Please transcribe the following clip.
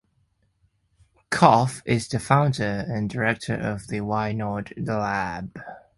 Colclough is the founder and director of the Why Not Lab.